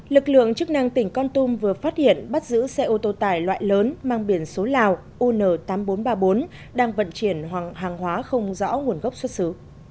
lực lượng chức năng tỉnh con tum vừa phát hiện bắt giữ xe ô tô tải loại lớn mang biển số lào un tám nghìn bốn trăm ba mươi bốn đang vận chuyển hàng hóa không rõ nguồn gốc xuất xứ